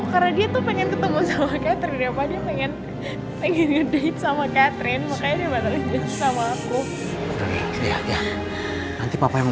karena dia tuh mau pick ti main catherine